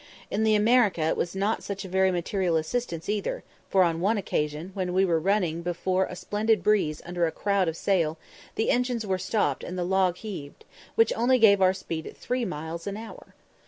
In the America it was not such a very material assistance either; for on one occasion, when we were running before a splendid breeze under a crowd of sail, the engines were stopped and the log heaved, which only gave our speed at three miles an hour.